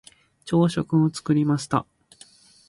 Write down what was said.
朝食を作りました。